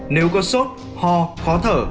nếu có sốt ho khó thở